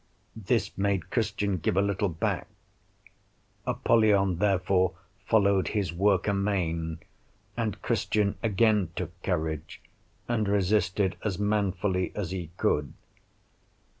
This made Christian give a little back; Apollyon therefore followed his work amain, and Christian again took courage, and resisted as manfully as he could.